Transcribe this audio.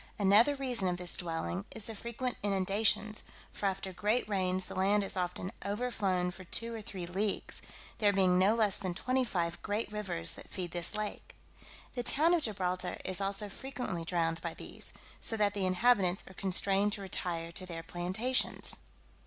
Another reason of this dwelling, is the frequent inundations; for after great rains, the land is often overflown for two or three leagues, there being no less than twenty five great rivers that feed this lake. The town of Gibraltar is also frequently drowned by these, so that the inhabitants are constrained to retire to their plantations.